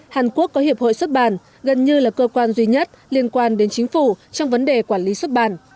hàn quốc có hiệp hội xuất bản gần như là cơ quan duy nhất liên quan đến chính phủ trong vấn đề quản lý xuất bản